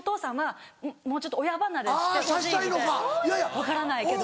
分からないけど。